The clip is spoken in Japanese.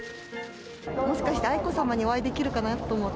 もしかして愛子さまにお会いできるかなと思って。